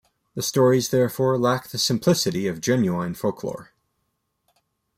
The stories, therefore, lack the simplicity of genuine folk-lore.